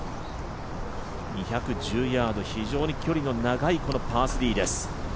２１０ヤード非常に距離の長いパー３です。